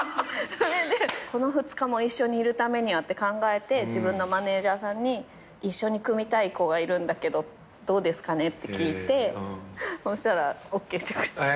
それでこの２日も一緒にいるためにはって考えて自分のマネジャーさんに一緒に組みたい子がいるんだけどどうですかねって聞いてそうしたらＯＫしてくれた。